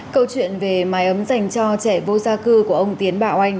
câu chuyện về mái ấm dành cho trẻ vô gia cư của ông tiến bảo anh